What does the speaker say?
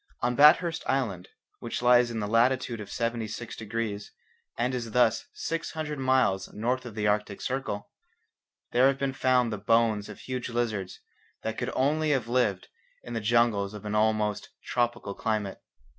On Bathurst Island, which lies in the latitude of 76 degrees, and is thus six hundred miles north of the Arctic Circle, there have been found the bones of huge lizards that could only have lived in the jungles of an almost tropical climate.